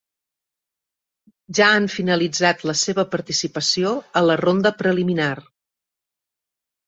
Ja han finalitzat la seva participació a la ronda preliminar.